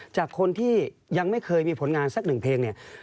จากคนที่ยังไม่เคยมีผลงานสักหนึ่งเพลงเนี่ย